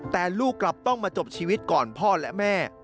แต่ลูกกลับต้องมาจบชีวิตก่อนพ่อและแม่